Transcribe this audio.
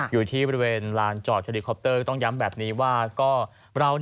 อยู่ที่บริเวณลานจอดเฮลิคอปเตอร์ก็ต้องย้ำแบบนี้ว่าก็เรา